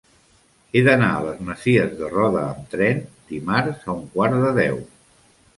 He d'anar a les Masies de Roda amb tren dimarts a un quart de deu.